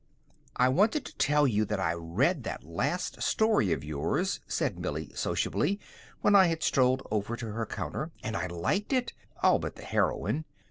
"I wanted to tell you that I read that last story of yours," said Millie, sociably, when I had strolled over to her counter, "and I liked it, all but the heroine.